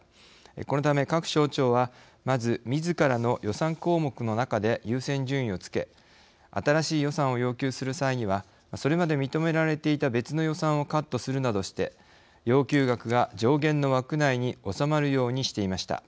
このため各省庁はまずみずからの予算項目の中で優先順位をつけ新しい予算を要求する際にはそれまで認められていた別の予算をカットするなどして要求額が上限の枠内に収まるようにしていました。